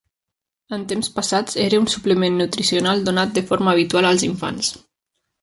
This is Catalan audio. En temps passats era un suplement nutricional donat de forma habitual als infants.